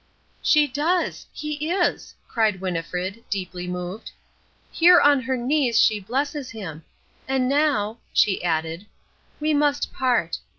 "She does. He is!" cried Winnifred, deeply moved. "Here on her knees she blesses him. And now," she added, "we must part.